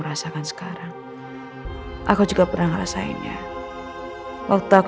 tidak adaaldo kita datang ke pasar ke eininya semuauar